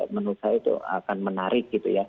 menurut saya itu akan menarik